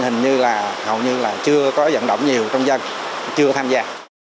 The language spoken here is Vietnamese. hình như là hầu như là chưa có dẫn động nhiều trong dân chưa tham gia